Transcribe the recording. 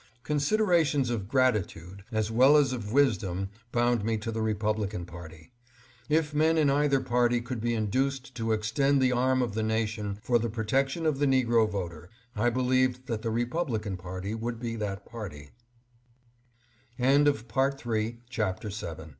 Considerations of gratitude as well as of wisdom bound me to the Republi can party. If men in either party could be induced to extend the arm of the nation for the protection of the negro voter I believed that the Republican party would be